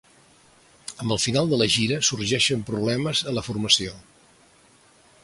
Amb el final de la gira sorgeixen problemes a la formació.